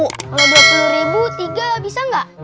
kalau dua puluh ribu tiga bisa nggak